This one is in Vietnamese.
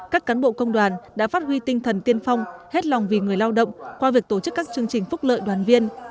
các cán bộ công đoàn đã phát huy tinh thần tiên phong hết lòng vì người lao động qua việc tổ chức các chương trình phúc lợi đoàn viên